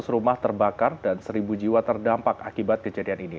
lima ratus rumah terbakar dan seribu jiwa terdampak akibat kejadian ini